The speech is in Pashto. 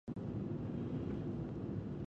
د جګړې په جریان کې ځینې خلک ژوندي پاتې سول.